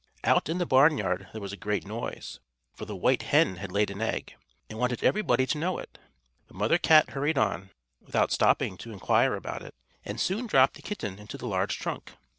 Out in the barnyard there was a great noise, for the white hen had laid an egg, and wanted everybody to know it; but Mother Cat hurried on, without stopping to inquire about it, and soon dropped the kitten into the large trunk.